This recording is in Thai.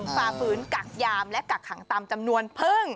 ฝ่าฝืนกักยามและกักขังตามจำนวนพึ่ง